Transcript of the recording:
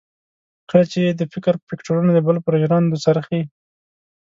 کله چې یې د فکر فکټورنه د بل پر ژرندو څرخي.